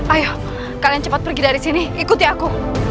ayo kalian cepat pergi dari sini ikuti aku